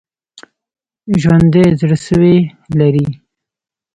ژوندي زړسوي لري